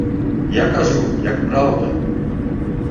Я кажу, як праўда.